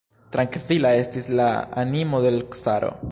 Trankvila estis la animo de l' caro.